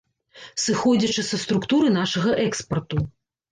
Сыходзячы са структуры нашага экспарту.